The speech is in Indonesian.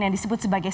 yang disebut sebagai